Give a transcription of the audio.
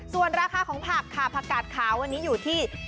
ส่วนราคาของผักค่ะผักกาดขาววันนี้อยู่ที่